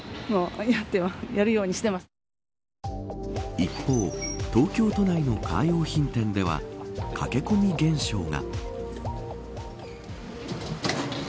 一方、東京都内のカー用品店では駆け込み現象が。